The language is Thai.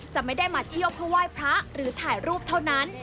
จะไม่ได้มาเที่ยวเพื่อไหว้พระหรือถ่ายรูปเท่านั้น